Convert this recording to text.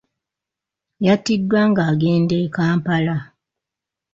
Yatiddwa ng'agenda e Kampala.